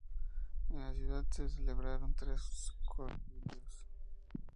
En la ciudad se celebraron tres concilios.